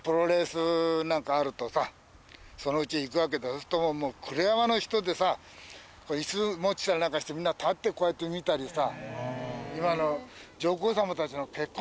そうすると黒山の人だかりでさ椅子持ってきたりなんかしてみんな立ってこうやって見たりさ。